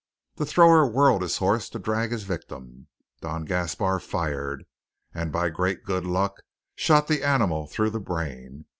The thrower whirled his horse to drag his victim, Don Gaspar fired, and by great good luck shot the animal through the brain.